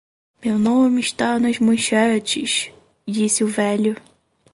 "Meu nome está nas manchetes”, disse o velho.